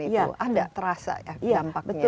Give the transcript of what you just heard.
itu ada terasa ya dampaknya